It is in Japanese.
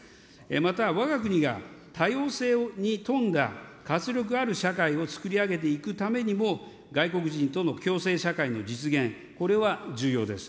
また、わが国が多様性に富んだ活力ある社会をつくり上げていくためにも外国人との共生社会の実現、これは重要です。